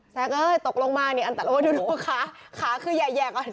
แซ็คเออตกลงมาเนี้ยอันตราโอ้โหดูขาขาคือแยกอ่ะ